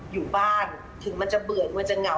อยู่บ้านถึงมันจะเบื่องนะ